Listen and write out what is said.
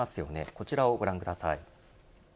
こちらをご覧ください。